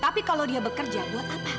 tapi kalau dia bekerja buat apa